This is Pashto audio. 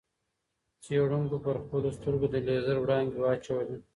څېړونکو پر خپلو سترګو د لېزر وړانګې واچولې.